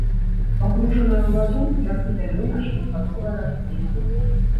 Пагружаная ў ваду ярка-зялёная шматгадовая расліна.